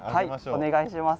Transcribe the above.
はいお願いします。